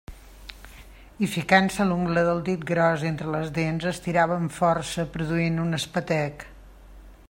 I ficant-se l'ungla del dit gros entre les dents, estirava amb força, produint un espetec.